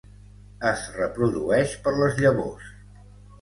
Es reprodueix per les llavors.